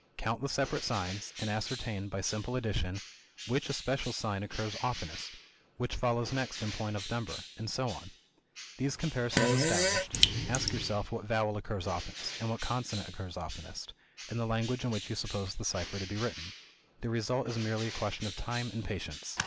Count the separate signs, and ascertain, by simple addition, which especial sign occurs oftenest which follows next in point of number and so on. These comparisons established, ask yourself what vowel occurs oftenest, and what consonant occurs oftenest, in the language in which you suppose the cipher to be written. The result is merely a question of time and patience."